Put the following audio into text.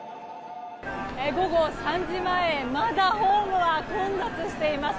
午後３時前まだホームは混雑しています。